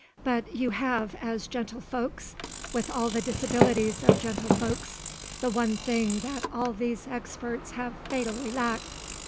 But you have as gentlefolks, with all the disabilities of gentlefolks, the one thing that all these experts have fatally lacked.